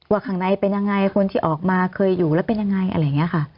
ข้างในเป็นยังไงคนที่ออกมาเคยอยู่แล้วเป็นยังไงอะไรอย่างนี้ค่ะ